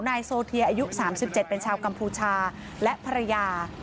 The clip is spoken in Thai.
นายโซเทียอายุ๓๗เป็นชาวกัมพูชาและภรรยา